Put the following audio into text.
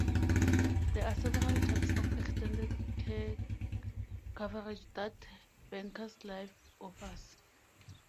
There are several types of extended care coverage that Bankers Life offers.